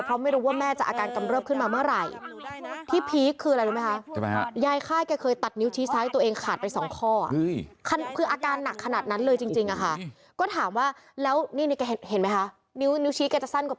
เพราะกลัวไม่รู้ว่าแม่จะอาการกำเลิภมาเมื่อไหร่